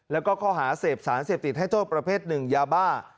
แล้วก็ข้อหาเสพสารเสพติดให้โทษประเภทหนึ่งยาบ้า